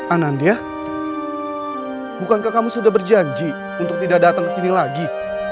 anandya bukankah kamu sudah berjanji untuk tidak datang ke sini lagi